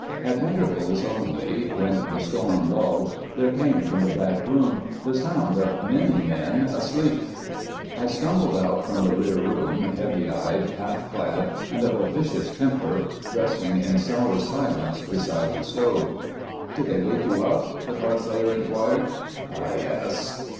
At intervals only, when the storm lulled, there came from the back room the sound of many men asleep. I stumbled out from the rear room, heavy eyed, half clad, and of a vicious temper, dressing in sour silence beside the stove. "Did they wake you up?" the card player inquired. "Yes."